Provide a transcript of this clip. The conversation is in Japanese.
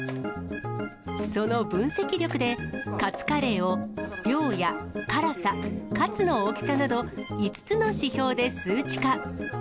その分析力で、カツカレーを量や辛さ、カツの大きさなど、５つの指標で数値化。